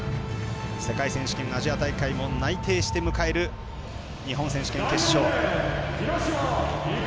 世界選手権、アジア大会も内定して迎える日本選手権決勝。